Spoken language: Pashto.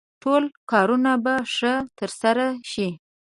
ټول کارونه به ښه ترسره شي.